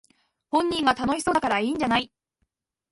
本人が楽しそうだからいいんじゃない